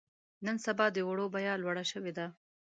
نن سبا د وړو بيه لوړه شوې ده.